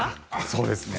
そうですね。